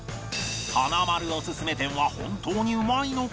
華丸オススメ店は本当にうまいのか？